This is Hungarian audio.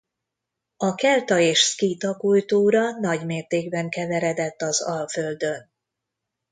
A kelta és szkíta kultúra nagymértékben keveredett az Alföldön.